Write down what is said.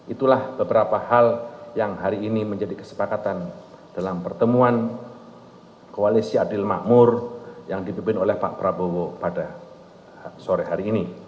itulah beberapa hal yang hari ini menjadi kesepakatan dalam pertemuan koalisi adil makmur yang dipimpin oleh pak prabowo pada sore hari ini